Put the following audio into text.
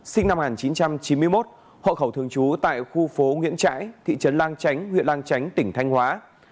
sinh năm một nghìn chín trăm chín mươi một hộ khẩu thường trú tại khu phố nguyễn trãi thị trấn lang chánh huyện lang chánh tỉnh thanh hóa